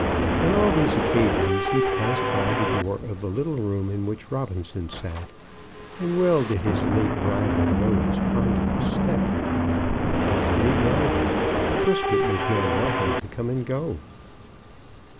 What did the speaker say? On all these occasions he passed by the door of the little room in which Robinson sat, and well did his late rival know his ponderous step. His late rival; for Brisket was now welcome to come and go.